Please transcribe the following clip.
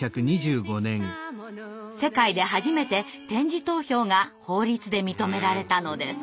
世界で初めて点字投票が法律で認められたのです。